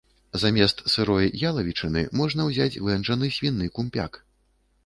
Замест сырой ялавічыны можна ўзяць вэнджаны свіны кумпяк.